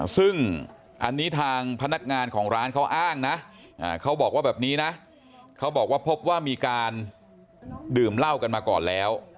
ซึ่งอันนี้ทางพนักงานของร้านเขาอ้างนะเขาบอกว่าแบบนี้นะเขาบอกว่าพบว่ามีการดื่มเหล้ากันมาก่อนแล้ว